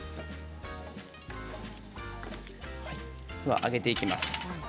揚げていきます。